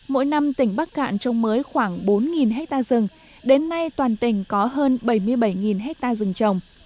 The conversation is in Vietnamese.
mỗi năm tỉnh bắc cạn trồng mới khoảng bốn ha rừng đến nay toàn tỉnh có hơn bảy mươi bảy ha rừng trồng